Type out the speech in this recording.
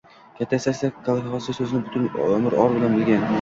kattasi esa “kolxozchi” so’zini butun umr or bilgan